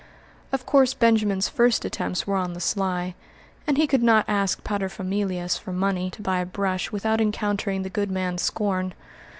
Of course Benjamin's first attempts were on the sly, and he could not ask paterfamilias for money to buy a brush without encountering the good man's scorn.